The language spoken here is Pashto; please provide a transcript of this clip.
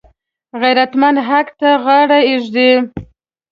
غیرتمند حق ته غاړه ږدي